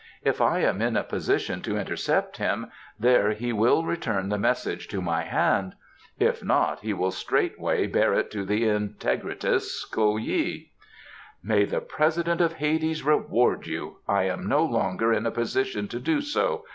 If I am in a position to intercept him there he will return the message to my hand; if not, he will straightway bear it to the integritous K'o yih." "May the President of Hades reward you I am no longer in a position to do so!"